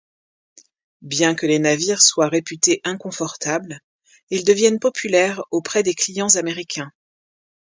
Bien que les navires soient réputés inconfortables, ils deviennent populaires auprès des clients américains.